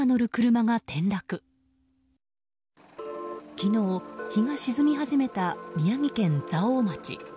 昨日日が沈み始めた宮城県蔵王町。